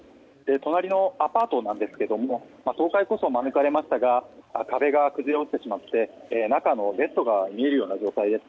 隣のアパートですが倒壊こそ免れましたが壁が崩れ落ちてしまって中のベッドが見えるような状態です。